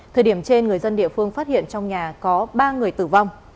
thời điểm trên người dân địa phương phát hiện trong nhà có ba người tử vong